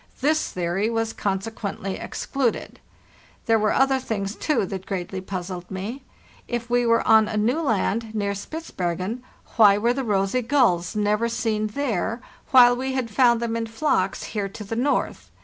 This theory was consequently excluded. There were other things, too, that greatly puzzled me. If we were on a new land, near Spitzbergen, why were the rosy gulls never seen there, while we had found them in flocks here to the north?